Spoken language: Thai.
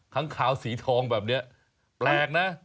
ค้างขาวสีทองแบบนี้แปลกนะ